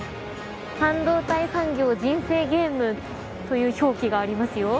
半導体産業人生ゲームという表記がありますよ。